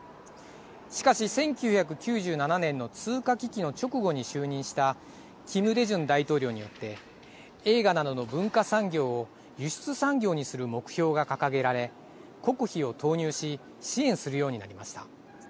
しかし、１９９７年の通貨危機の直後に就任したキム・デジュン大統領によって映画などの文化産業を輸出産業にする目標が掲げられ国費を投入し支援するようになりました。